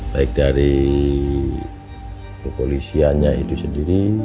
baik dari kepolisiannya itu sendiri